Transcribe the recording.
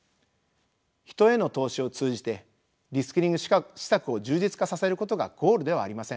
人への投資を通じてリスキリング施策を充実化させることがゴールではありません。